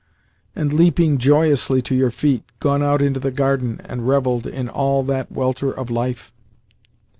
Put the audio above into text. and, leaping joyously to your feet, gone out into the garden and revelled in all that welter of life?